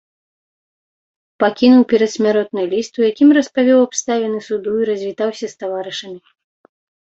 Пакінуў перадсмяротны ліст, у якім распавёў абставіны суду і развітаўся з таварышамі.